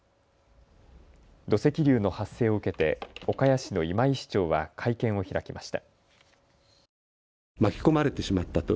土石流の発生を受けて岡谷市の今井市長は会見を開きました。